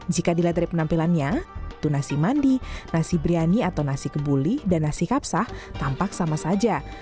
jika dilihat dari penampilannya itu nasi mandi nasi biryani atau nasi kebuli dan nasi kapsah tampak sama saja